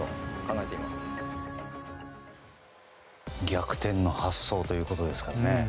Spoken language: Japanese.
逆転の発想ということですね。